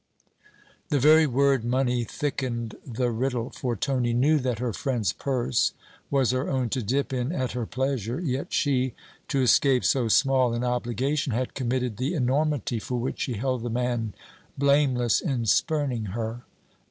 The very word Money thickened the riddle: for Tony knew that her friend's purse was her own to dip in at her pleasure; yet she, to escape so small an obligation, had committed the enormity for which she held the man blameless in spurning her.